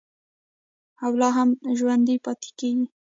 او لا هم ژوندی پاتې کیږي.